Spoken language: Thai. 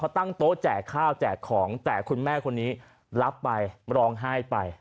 แต่คุณแม่คนนี้รับไปหลองไห้ไป